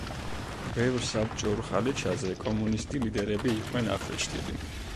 ბევრ „საბჭოურ ხალიჩაზე“ კომუნისტი ლიდერები იყვნენ აღბეჭდილი.